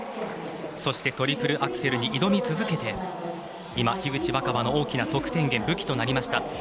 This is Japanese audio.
そして、トリプルアクセルに挑み続けて今、樋口新葉の大きな得点源武器となりました。